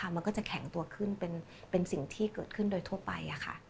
มันก็จะแข็งตัวขึ้นเป็นสิ่งที่เกิดขึ้นโดยทั่วไป